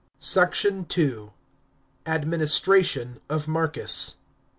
SECT. II. — ADMINISTRATION OF MARCUS.